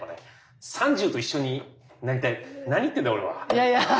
いやいや。